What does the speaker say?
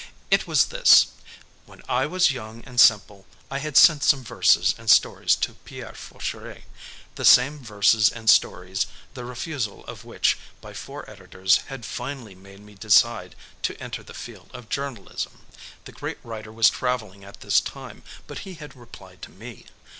It was this: When I was young and simple I had sent some verses and stories to Pierre Fauchery, the same verses and stories the refusal of which by four editors had finally made me decide to enter the field of journalism. The great writer was traveling at this time, but he had replied to me.